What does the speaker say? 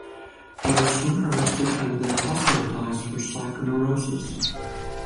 He was soon arrested and then hospitalized for psychoneurosis.